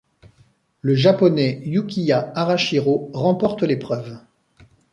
Le Japonais Yukiya Arashiro remporte l'épreuve.